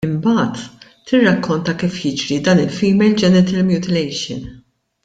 Imbagħad, tirrakkonta kif jiġri dan il-female genital mutilation.